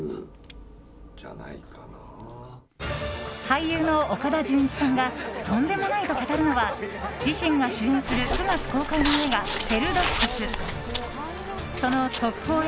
俳優の岡田准一さんがとんでもないと語るのは自身が主演する９月公開の映画「ヘルドッグス」。